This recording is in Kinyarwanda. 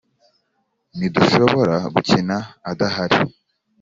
ntidushobora gukina adahari